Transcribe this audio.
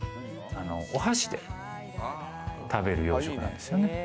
お箸で食べる洋食なんですよね。